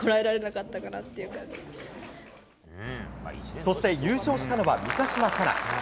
そして、優勝したのは三ヶ島かな。